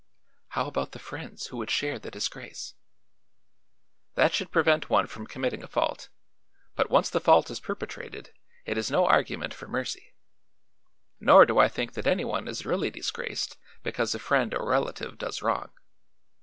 "How about the friends who would share the disgrace?" "That should prevent one from committing a fault, but once the fault is perpetrated it is no argument for mercy. Nor do I think that anyone is really disgraced because a friend or relative does wrong.